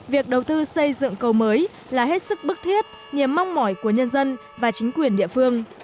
việc đầu tư xây dựng cầu mới là hết sức bức thiết niềm mong mỏi của nhân dân và chính quyền địa phương